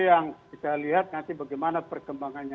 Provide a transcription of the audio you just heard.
yang kita lihat nanti bagaimana perkembangannya